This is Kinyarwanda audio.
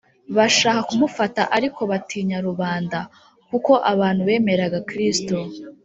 ’ ‘bashaka kumufata ariko batinya rubanda,’ kuko abantu bemeraga kristo